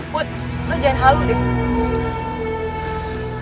put lo jangan halur deh